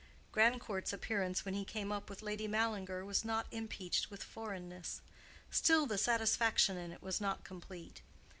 Grandcourt's appearance when he came up with Lady Mallinger was not impeached with foreignness: still the satisfaction in it was not complete.